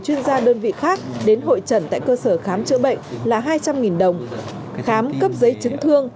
và đơn vị khác đến hội chẩn tại cơ sở khám chữa bệnh là hai trăm linh đồng khám cấp giấy chứng thương